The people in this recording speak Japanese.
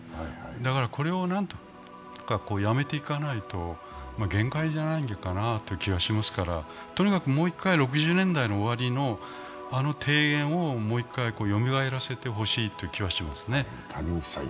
だからこれを何とかやめていかないと限界じゃないかなという気がしますから、とにかくもう一回、６０年代の終わりのあの提言をよみがえらせてほしいという気がしますね。